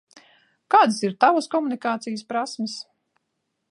Kādas ir Tavas komunikācijas prasmes?